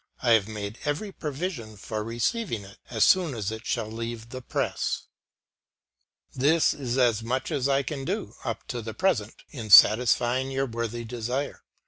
I have made every provision for receiving it as soon as it shall leave the press. " This is as much as I can do up to the present in satisfying your worthy desire.